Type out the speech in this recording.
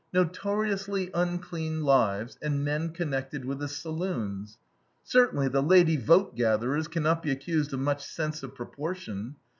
"Notoriously unclean lives, and men connected with the saloons." Certainly, the lady vote gatherers can not be accused of much sense of proportion.